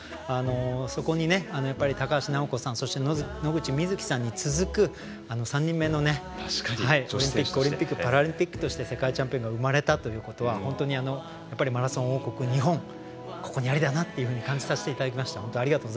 そこに高橋尚子さんそして野口みずきさんに続く３人目のオリンピック、オリンピックパラリンピックとして世界チャンピオンが生まれたということは本当にマラソン王国、日本ここにありだなと感じさせてもらいました。